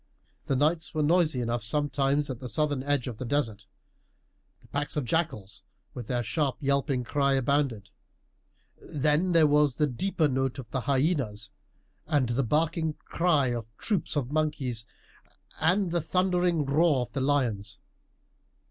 "The nights were noisy enough sometimes at the southern edge of the desert. The packs of jackals, with their sharp yelping cry, abounded; then there was the deeper note of the hyenas, and the barking cry of troops of monkeys, and the thundering roar of the lions.